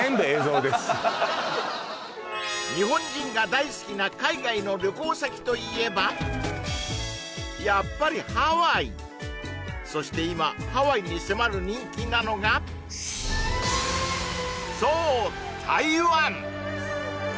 日本人が大好きな海外の旅行先といえばやっぱりハワイそして今ハワイに迫る人気なのがそう台湾！